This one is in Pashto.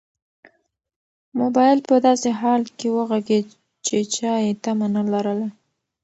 موبایل په داسې حال کې وغږېد چې چا یې تمه نه لرله.